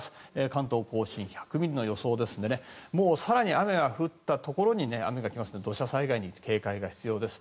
関東・甲信は１００ミリの予想ですのでもう更に雨が降ったところに雨が来ますので土砂災害に警戒が必要です。